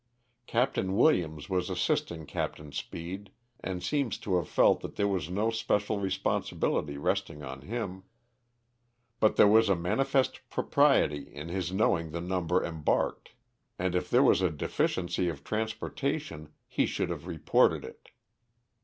Captain Williams was assisting Captain Speed, and seems to have felt that there was no special responsibility resting on him ; but there was a manifest propriety in his knowing the number embarked, and if there was a deticiency of transport ation he should have reported it.